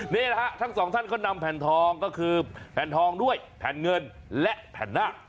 นี่แหละฮะทั้งสองท่านก็นำแผ่นทองก็คือแผ่นทองด้วยแผ่นเงินและแผ่นหน้า